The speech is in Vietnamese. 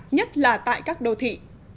nhất là tại các đô thị